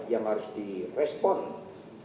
yang harus direspon